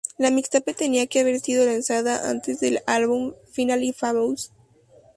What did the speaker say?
La mixtape tenía que haber sido lanzada antes del álbum, "Finally Famous".